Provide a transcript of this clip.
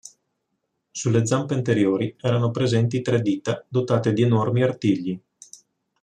Sulle zampe anteriori erano presenti tre dita dotate di enormi artigli.